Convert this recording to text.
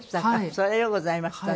それはようございましたね。